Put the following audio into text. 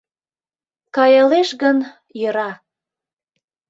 «Каялеш» гын, йӧра...